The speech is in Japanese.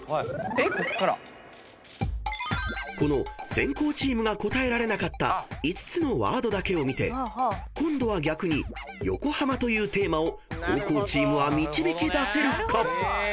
［この先攻チームが答えられなかった５つのワードだけを見て今度は逆に「横浜」というテーマを後攻チームは導き出せるか？］